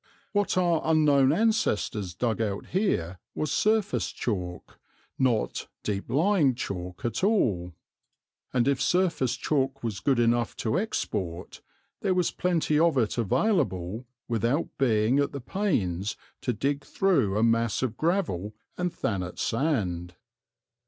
What our unknown ancestors dug out here was surface chalk, not deep lying chalk at all, and if surface chalk was good enough to export there was plenty of it available without being at the pains to dig through a mass of gravel and Thanet sand.